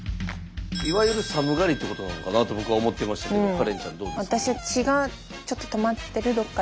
いわゆる寒がりってことなのかなって僕は思ってましたけどカレンちゃんどうですか？